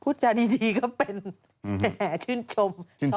พูดจาดีก็เป็นแห่ชื่นชม